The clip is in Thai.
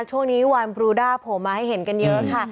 วานบรูด้าโผล่มาให้เห็นกันเยอะค่ะ